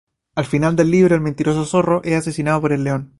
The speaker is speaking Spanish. Al final del libro el mentiroso zorro es asesinado por el león.